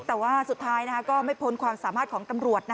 แต่ว่าสุดท้ายก็ไม่พ้นความสามารถของตำรวจ